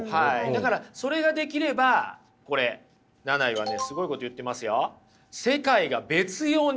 だからそれができればこれナナイはねすごいこと言ってますよ。